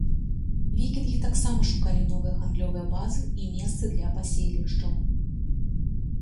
Вікінгі таксама шукалі новыя гандлёвыя базы і месцы для паселішчаў.